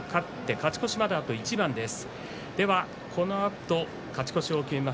勝ち越しまであと一番です。